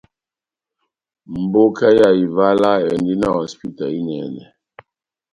Mboka ya Ivala endi na hosipita inɛnɛ.